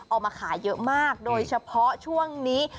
ออกมาขายเยอะมากโดยเฉพาะช่วงนี้